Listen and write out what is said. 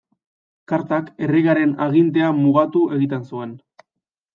Kartak erregearen agintea mugatu egiten zuen.